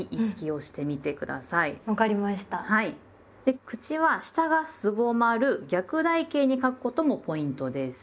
で口は下がすぼまる逆台形に書くこともポイントです。